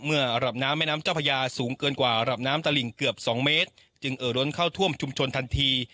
เมื่อหลับน้ำแม่น้ำเจ้าพระยาสูงเกินกว่าหลับน้ำตะหลิงเกือบสองเมตรจึงเอาล้นเข้าท่วมชุมชนทันที